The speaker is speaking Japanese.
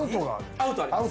アウトあります